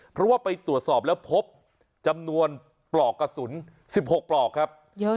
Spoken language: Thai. เพราะว่าไปตรวจสอบแล้วพบจำนวนปลอกกระสุน๑๖ปลอกครับ